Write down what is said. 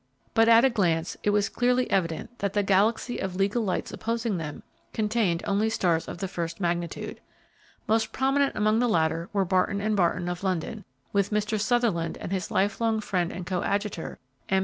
But at a glance it was clearly evident that the galaxy of legal lights opposing them contained only stars of the first magnitude. Most prominent among the latter were Barton & Barton, of London, with Mr. Sutherland and his life long friend and coadjutor, M.